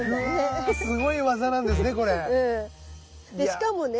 しかもね